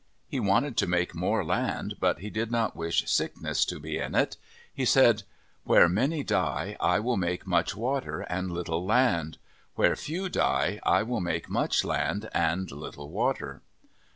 He wanted to make more land but he did not wish sickness to be in it. He said :" Where many die, I will make much water and little land. Where few die, I will make much land and little water."